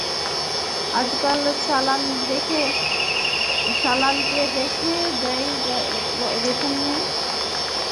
আজকাল চালান কে দেখে দেয় রোশনি।